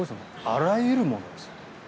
あらゆるものです。